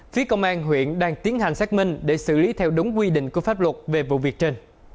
phía công an huyện đang tiến hành xác minh để xử lý theo đúng quy định của pháp luật về vụ việc trên